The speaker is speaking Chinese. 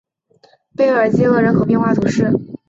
贝尔济厄人口变化图示